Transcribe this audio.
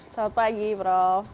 selamat pagi prof